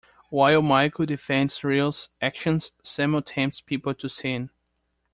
While Michael defends Israel's actions, Samael tempts people to sin.